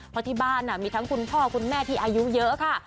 เพราะที่บ้านมีทั้งคุณพ่อคุณแม่ที่อายุเยอะค่ะ